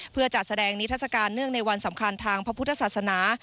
เพื่อจัดแสดงนิทัศกาลเนื่องในวันสำคัญทางพระพุทธศาสนา